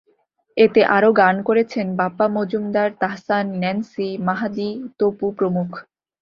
এতে আরও গান করেছেন বাপ্পা মজুমদার, তাহসান, ন্যান্সি, মাহাদী, তপু প্রমুখ।